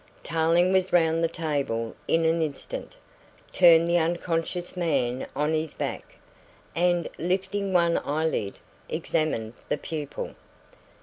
Tarling was round the table in an instant, turned the unconscious man on his back, and, lifting one eyelid, examined the pupil.